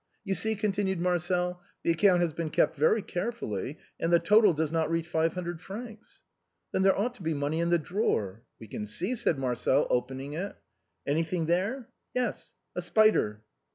You see," continued Marcel, " the account has THE BILLOWS OF PACTOLUS. 91 been kept very carefully, and the total does not reach five hundred francs." " Then there ought to be money in the drawer." " We can see," said Marcel, opening it. " Anything there ?"" Yes, a spider."